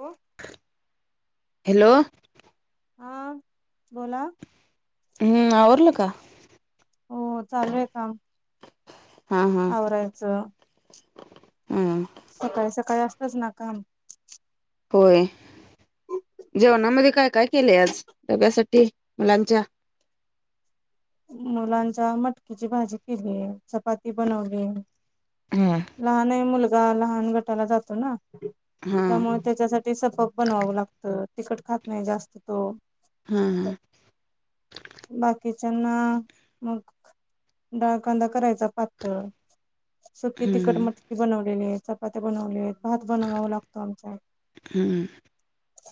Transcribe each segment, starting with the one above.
हो हॅलो हा बोला हम्म आवरल का हो चालू आहे काम हा हा आवरायचं हा सकाळी सकाळी असतच ना काम होय जेवणामध्ये काय काय केलंय आज डब्यासाठी मुलांच्या मुलांच्या मटकीची भाजी केली चपाती बनवली हा लहान आहे मुलगा लहान गटाला जातो ना हा हा त्यामुळे त्याच्यासाठी सपक बनवावं लागतं तिकट खात नाही जास्त तो हा हा बाकीच्याना मग डाळ कांदा करायचा प सुकी तिखट हम्म मटकी बनवलेली आहे चपात्या बनवले आहेत भात बनवाव लागतो आमच्या हम्म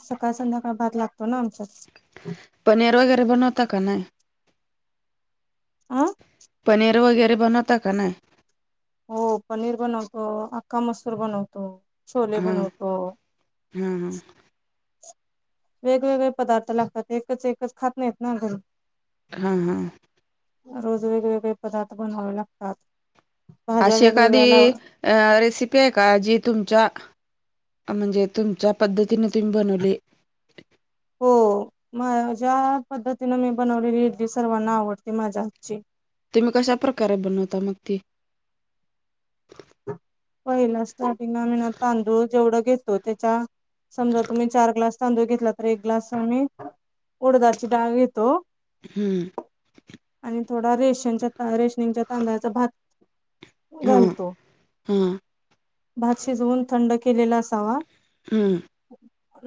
सकाळ संध्याकाळ भाग लागतो ना आमच्यात पनीर वगैरे बनवता का नाही आं पनीर वगैरे बनवता का नाही हो पनीर बनवतो अखखका मसूर बनवतो छोले बनवतो हम् हम वेगवेगळे पदार्थ लागतात एकच एकच खात नाहीत ना घरी हा हा रोज वेगवेगळे पदार्थ बनवावे लागतात भाज्या अशी एखादी वेगवेगळ्या लाव अ रेसिपी आहे का जी तुमच्या म्हणजे तुमच्या पद्धतीने तुम्ही बनवले हो म ज्या पद्धतीनें मी बनवलेली ही सर्वांना आवडते माझ्या हातची तुम्ही कशा प्रका रे बनवता मग ते पहिला स्टार्टिंगला मी ना तांदूळ जेवढं घ तो त्याच्या समजा तुम्ही चार ग्लास तांदूळ घेतला तर एक ग्लास आम्ही. उडदाची डाळ घेतो हम्म आणि थोडा रेशनच्याे ता रेश शनच्या तांदळाचा भात. हा घालतो. हा. भात शिजवून थंड केलेला असावा. हम्म.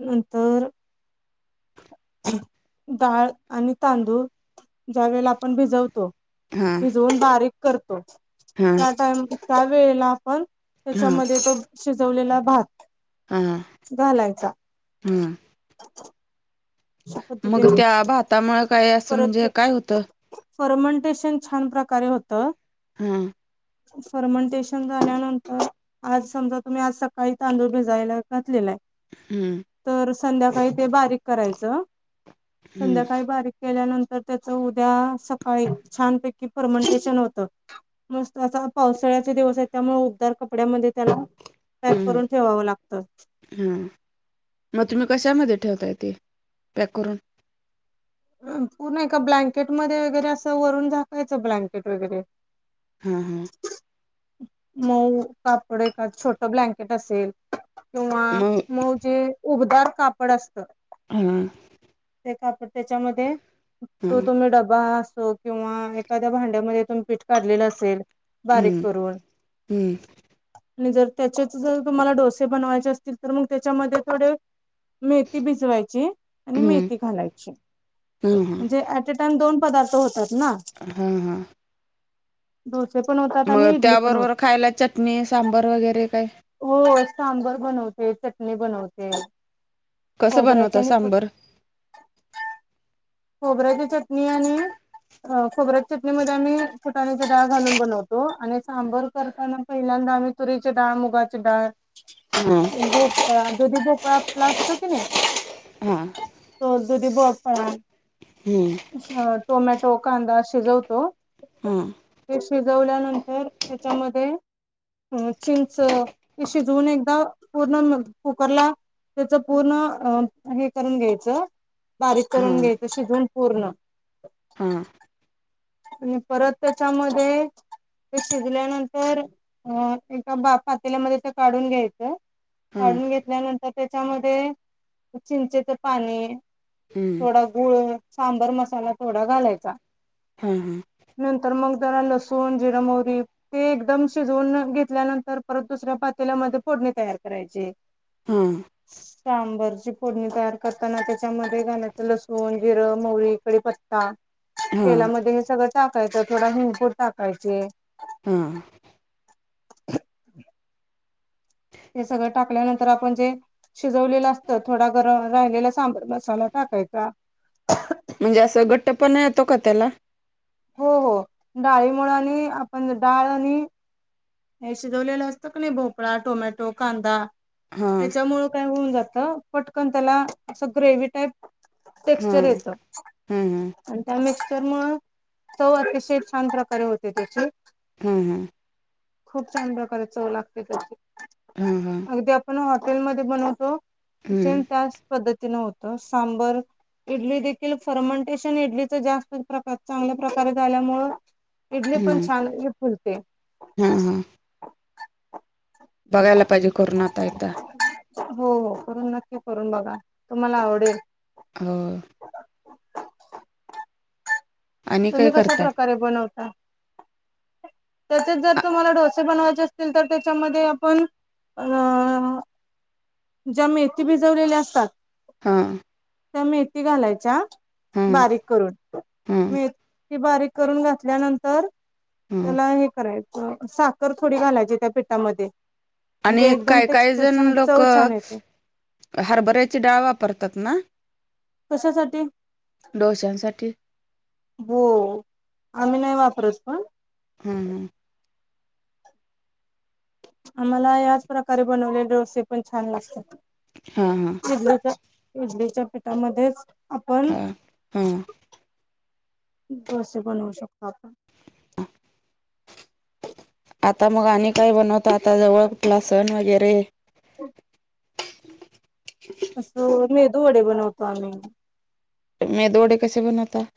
नंतर. डाळ आणि तांदूळ ज्या वेळेला आपण भिजवतो. हा भिजवून बारीक करतो हा त्या टाम त्या वेळेला आपण. हा त्याच्यामध्ये तो शिजवलेला भात. ह घालायचा. शपत [inaudible] त्यामुळे काय असं म्हणजे काय होतं. फर्मंटेशन छान प्रकारे होत. हा. फर्मंटेशन झाल्यानंतर. आज समजा तुम्ही आज सकाळी तांदूळ भिजायला घातलेला आहे. हम्म. तर संध्याकाळी ते बारीक करायचं हम्म संध्याकाळी बारीक. केल्यानंतर त्याच उद्या सकाळी छानपैकी परर्मंटेशन होतं. मस्त असा पावसाळ्याचे दिवस आहे त्यामुळे उद्धार कपड्यामध्ये त्याला. पॅक करून ठेवावं लागतं. हा मग तुम्ही कशामध्ये ठेवताय ते पॅक करून. पूर्ण एका का ब्लँकेट मध्ये वगैरे असं वरून झाकायचं ब्लँकेट वगैरे. हा हा. मऊ कापडे एकाद छोट ब्लँकेट असेल. किंवा मग मउ जे उबदार कापड असतं. हा. ते कापड त्याच्यामध्ये तो हम्म तुम्ही डबा असो. किंवा एखाद्या भांड्यामध्ये तुमी पीठ काढलेलं असेल बारीक करून. हम्म. आणि जर त्याच्यात जर तुम्हाला डोसे बनवायचे असतील तर मग त्याच्यामध्ये थोडे. मेथी भिजवायची. आणि हम्म मेथी घालायची हम्म म्हणजे ऍट अ टाइम दोन पदार्थ होतात ना. हा हा. डोसे पण होतात. मग आणि इडली पण त्याबरोबर होते. खायला चटणी सांबर वगैरे काय. हो सांबर बनवते चटणी बनवते. कसं बनवत खोबऱ्याची आणि फुट सांबर. खोबऱ्याची चटणी आणि. खोबऱ्यात चटणी मध्ये आम्ही फुटाण्याची डाळ घालून बनवतो आणि सांबर कर र त्यांण पहिल्यांदा आम्ही तुरीचीचे डाळ मुगाची डाळ. हम. भोपळ दुधी भोपळा आपला असतो की नाही. हां. तो दुधी भोपळा. हम्म. दुसरा टोमॅटो कांदा शिजवतो. हा ते शिजवल्यानंतर त्याच्यामध्ये चिंच शिजवून एकदा पूर्ण कुकरला त्याच पूर्ण हे करून घ्यायचं बारीक हा करून घ्यायचं शिजून पूर्ण. हा आणि परत त्याच्यामध्ये ते शिजल्यानंतर अ एका बा पातेल्यामध्ये ते काढून घ्यायचं. हा काढून घेतल्यानंतर त्याच्यामध्ये चिंचेच पाणी. हम्म थोडा गुळ सांबर मसाला थोडा घालायचा. हा हा. नंतर मग जरा लसूण, जिरा, मोहरी. ते एकदम शिजवून घेतल्यानंतर परत दुसऱ्या पातेल्यामध्ये फोडणी तयार करायची. हम. सांबरची फोडणी तयार करताना त्याच्यामध्ये घालायचं लसूण, जिरं, मोहरी, कडीपत्ता हा. तेलामध्ये हे सगळं टाकायचं थोडा हिंग, पूड टाकायचे. हां. ते सगळं टाकल्यानंतर आपण जे शिजवलेलं असत थोडा गरम राहिलेला सांबर मसाला टाकायचा. म्हणजे असं घट्ट पण येतो का त्याला? हो हो डाळी मुळ आणि आपण डाळ आणि हे शिजवलेलं असतं का नाही भोपळा, टोमॅटो, कांदा हा याच्यामुळं काय होऊन जात. पटकन त्याला अस ग्रेव टाईप हा टेक्चर येत. हा आणि त्या मिक्सर मुळ चव अतिशय छान प्रकारे होते त्याची हा हा. खूप छान प्रकारे चव लागते त्याची हा हा अगदी आपण हॉटेलमध्येध्ये बनवतो. हम्म सेम त्याच पद्धतीन होत सांबर. इडली देखील फर्मंटेशन इडलीच जास्त प्रकार चांगल्या प्रकारे झाल्यामु इडली पण छान फुलते. हम हम. बघायला पाहिजे करून एकदा आता. हो हो करून नक्की करून बघा तुम्हाला आवडेल. हो. आणि काय तुम्ही कशा करता प्रकारे बनवता? तसेच जर तुम्हाला डोसे बनवायचे असतील तर त्याच्यामध्ये आपण अ ज्या मेथी भिजवलेल्या असतात. हां. त्या मेथी घालायच्या हा बारीक करून हा मेथी बारीक करून घातल्यानंतर हा त्याला हे करायचं साखर थोडी घालायची त्या पिठामध्ये. म्हणजे आणि एकदम काय काही टेक्स्चर जण छान लोक चव छान येते हरभऱ्याची डाळ वापरतात ना. कशासाठी? डोशांसाठी. हो आम्ही नाही वापरत पण‌. हम हम. आम्हाला याच प्रकारे बनवलेले डोसे पण छान लागते हा हा शि इडलीच्या पिठामध्येच आपण हा हा डोसे बनवू शकतो आपण. ह. आता मग आणि काय बनवत आता जवळ क्लासन वगैरे. ह. [inaudible] असं मेदू वडे बनवतो आम्ही. मेदु वडे कसे बनवता?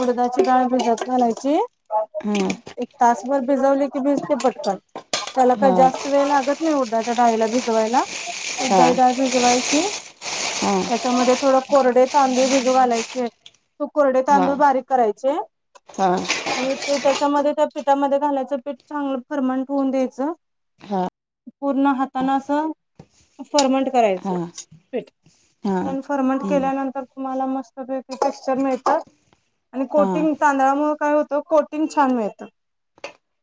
उडदाची डाळ भिजत घालायची. हं. एक तासभर भिजवले की भिजते पटकन. त्याला काही हा जास्त वेळ लागत नाही उडदाच्या डाळीला भिजवायला. हा उडदाची डाळी भिजवायची हा त्याच्याम थोड कोरडे तांदूळ भिजू घालायचे. तू कोर हा तांदूळ बारीक करायचे हा आणि ते त्याच्यामध्ये त्या पीठामध्ये घालायचं पीठ चांगलं फरमंट होऊन द्यायचं पूर्ण हाताना अस फर्मंट हा करायच. हा फर्मंट हम्म केल्यानंतर तुम्हाला मस्तपैकी टेक्चर मिळत. आणि हा कोटिंग तांदळामुळ काय होतं कोटिंग छान मिळत.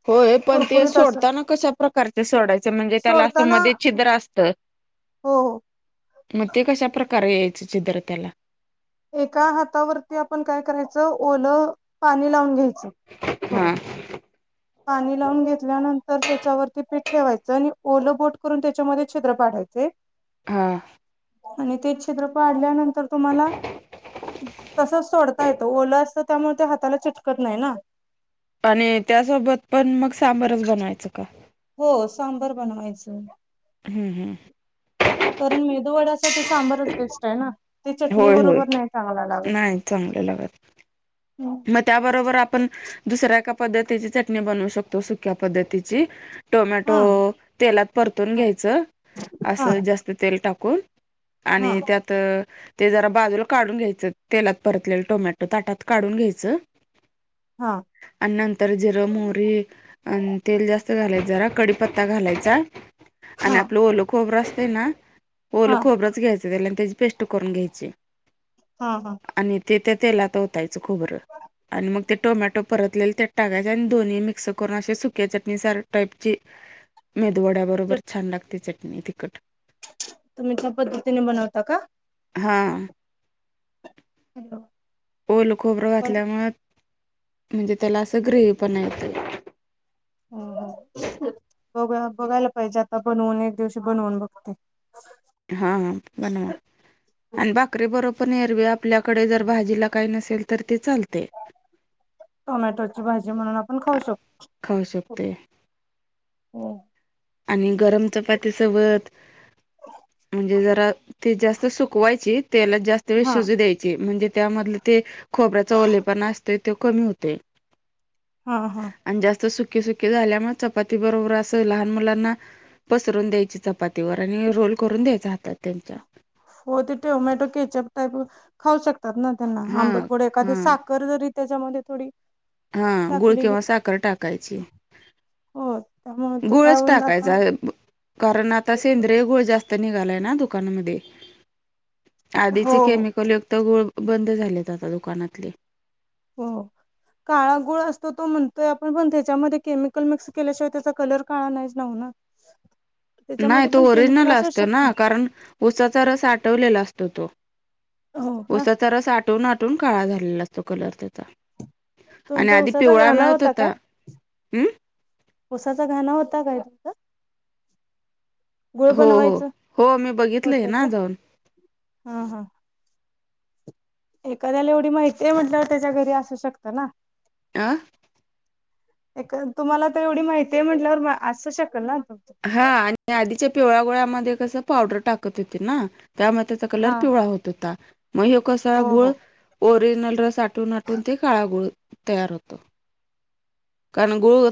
होय पण ते सोडताना कशा प्रकारचे सोडायचे म्हणजे त्याला असं सोडताना मध्ये छिद्र असतं. हो. म ते कशा प्रकारे छिद्र त्याला? एका हातावरती आपण काय करायचं ओलं पाणी लावून घ्यायचं थोडं. हं. पाणी लावून घेतल्यानंतर त्याच्यावरती पीठ ठेवायचं आणि ओल बोट करून त्याच्यामध्ये छिद्र पाडायचे. हा. आणि ते छिद्र पाडल्यानंतर तुम्हाला तसच सोडता येतो ओलं असतं त्यामुळे ते हाताला चिटकत नाही ना. आणि त्यासोबत पण मग सांबरच बनवायचं का? हो सांबर बनवायचं. हम्म हम्म. करुन मेदूवडासाठी सांबारच बेस्ट आहे ना. ते चटणी होय होय बरोबर नाही चांगल लागत. नाही चांगलं लागत मग त्याबरोबर आपण दुसऱ्या एका पद्धतीची चटणी बनवू शकतो सुक्या पद्धतीची. टोमॅटो हा तेलात परतून हा घ्यायचं हा असं जास्त तेल टाकून आणि हा त्यात तर ते जरा बाजूला काढून घ्यायचं तेलात परतलेलं टोमॅटो ताटात काढून घ्या च हा. आन नंतर जिरं, मोहरी आणि तेल जास्त घालायच जरा कडीपत्ता घालायचा. आणि हा आपलं ओलं खोबरं असतय ना ओलं हा खोबरं तेच घ्यायच त्याला आणि त्याची पेस्ट करून घ्यायची. हा हा. आणि ते तेलात ओतायचं खोबरं आणि मग ते टोमॅटो परतलेले ते टाकायचय आणि दोन्ही मिक्स करून अशा सुक्या चटणी सार टाईपची मेदु वड्या बरोबर छान लागते चटणी तिखट. तुम्ही त्या पद्धतीने बनवता का? हा. हॅलो. ओल खोबरं घातल्यामुळ म्हणजे त्याला असं ग्रेवी पणा येतय. अ ह. बघूया बघायला पाहिजे आता बनवून एक दिवशी बनवून बघते. हा हा बनवा. आणि बाकरी बरोबर येरवी आपल्याकडे जर भाजीला काही नसेल तर ते चालतय. [unintelligible] टोमॅटोची भाजी म्हणून आपण खाऊ शकतो. खाऊ शकते हो. आणि गरम चपाती सोबत म्हणजे जरा ती जास्त सुकवायची त्याला जास्त ते हा शिजू द्यायचे म्हणजे त्यामधलं ते खोबऱ्याचा ओलेपणा असतोय त्यो कमी होतोय हा हा. आणि जास्त सुके सुके झाल्यामुळे चपाती बरोबर असं लहान मुलांना पसरून द्यायची चप पातीवर आणि रोल करून द्यायचे हातात त्यांच्या हो ते टोमॅटो केचप टाकून खाऊ शकतात ना त्यांना हा आंबटगोड एखादे हा साख कलर जरी त्याच्यामध्ये थोडी हा गुळ टाकली की किंवा साखर टाकायची. हो त्यामुळे ते काय गुळच होऊन जातं टाकायचा कारण आता सेंद्रिय गुळ जास्त आता निघालाय ना दुकामध्ये. हो आधीचे हो केमिकल युक्त गुळ बंद झालेत आता दुकानातले हो काळा गुळ असतो तो म्हणतोय आपण पण त्याच्यामध्ये केमिकल मिक्स केल्याशिवाय त्याचा कलर काळा नाहीच ना होणार. नाय त्याच्यामध्ये तो पण केमिकल ओरिजनल असूच असतो ना शकतात. कारण ऊसाचा रस आटवलेला असतो तो हो का ऊसाचा रस आटवून आट कून काळा झालेला असतो कलर त्याचा आणि तुमचा आधी उसाचा पिवळा घाना मिळत होता हम्म. उसाच घाणा होता काय तुमचा? गुळ हो हो बनवायचं हो मी होत बघितलंय ना का? जाऊन हा हा. एखाद्याला एवढी माहितीय म्हटल्यावर त्याच्या घरी असू शकतं ना. आं. एक तुम्हाला आता एवढी माहिती आहे म्हटल्यावर असू शकल ना त हा आणि आधीच्या पिवळ्या गुळामध्ये कसं पावडर टाकत होते ना त्यामुळे त्याचा कलर हा पिवळा होत होता. मग ह्यो कसा हो हो गूळ ओरिजनल रस आट टून आटून ते काळा गूळ तयार होतो कारण गुळ